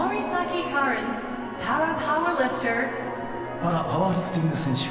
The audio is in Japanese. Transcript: パラ・パワーリフティング選手